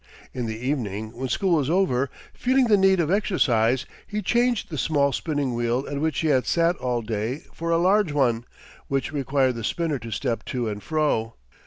In the evening, when school was over, feeling the need of exercise, he changed the small spinning wheel at which he had sat all day for a large one, which required the spinner to step to and fro.